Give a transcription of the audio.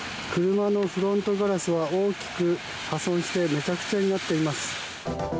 車のフロントガラスは大きく破損してめちゃくちゃになっています。